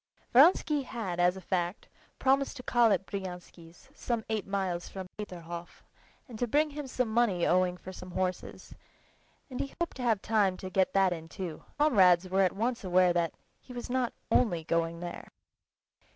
Vronsky had as a fact promised to call at Bryansky's, some eight miles from Peterhof, and to bring him some money owing for some horses; and he hoped to have time to get that in too. But his comrades were at once aware that he was not only going there.